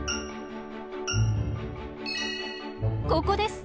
ここです！